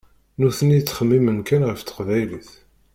Nutni ttxemmimen kan ɣef teqbaylit.